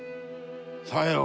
さよう。